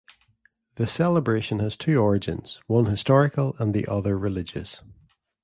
The celebration has two origins, one historical and the other religious.